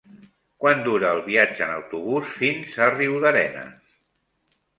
Quant dura el viatge en autobús fins a Riudarenes?